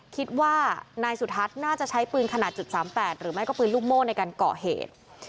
คิดว่านายสุทัศน์น่าจะใช้ปืนขนาด๓๘หรือไม่ก็ปืนลูกโม่ในการก่อเหตุ